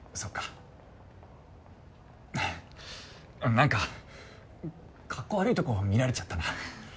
なんかカッコ悪いとこ見られちゃったな。